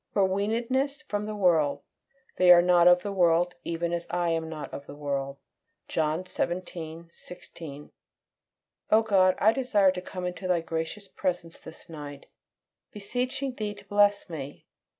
FOR WEANEDNESS FROM THE WORLD. "They are not of the world, even as I am not of the world." John xvii. 16. O God, I desire to come into Thy gracious presence this night, beseeching Thee to bless me.